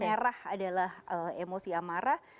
merah adalah emosi amarah